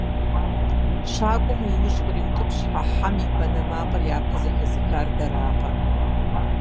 - Щакӏуэм уи ужь къриутӏыпщхьа хьэм и банэ макъыр япэ зэхэзыхар дэракъэ!